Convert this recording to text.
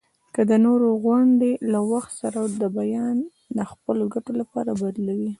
که د نورو غوندي له وخت سره د بیان د خپلو ګټو لپاره بدلوي.